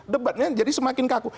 debatnya jadi semakin kaku